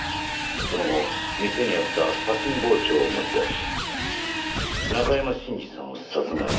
その後店にあった刺し身包丁を持ち出し中山信二さんを殺害。